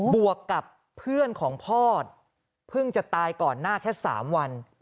วกกับเพื่อนของพ่อเพิ่งจะตายก่อนหน้าแค่๓วัน